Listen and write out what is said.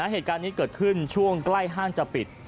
เหตุการณ์นี้เกิดขึ้นช่วงใกล้ห้างจะปิด